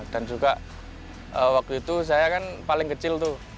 dan juga waktu itu saya kan paling kecil tuh